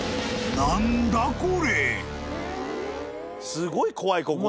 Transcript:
すごい怖いここ。